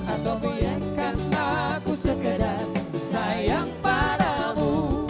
atau bolehkan aku sekedar sayang padamu